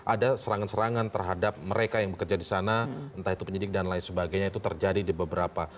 ada serangan serangan terhadap mereka yang bekerja di sana entah itu penyidik dan lain sebagainya itu terjadi di beberapa